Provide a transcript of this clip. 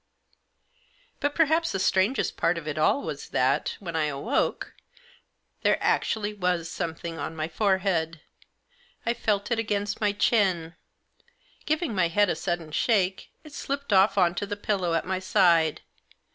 But perhaps the strangest part of it all was that, when I awoke, there actually was something on my forehead. I felt it against my chin. Giving my head a sudden shake it slipped off on to the pillow at my side.